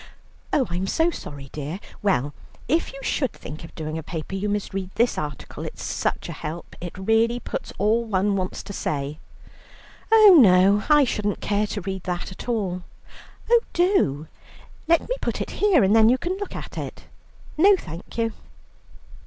"Oh, I'm so sorry, dear. Well, if you should think of doing the paper, you must read this article, it's such a help, it really puts all one wants to say." "Oh no, I shouldn't care to read that at all." "Oh do. Let me put it here, and then you can look at it." "No, thank you."